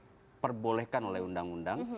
sebenarnya tidak diperbolehkan oleh undang undang